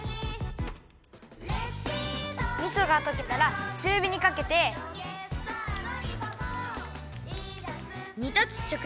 みそがとけたらちゅうびにかけて。にたつちょく